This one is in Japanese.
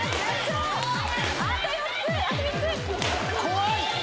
怖い！